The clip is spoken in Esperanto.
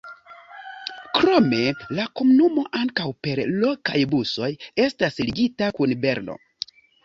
Krome la komunumo ankaŭ per lokaj busoj estas ligita kun Berno.